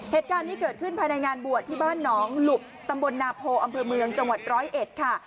เหตุการณ์นี้เกิดขึ้นภายในงานบวชที่บ้านหนองหลุบตำบลนาโพอำเภอเมืองจังหวัดร้อยเอ็ดค่ะ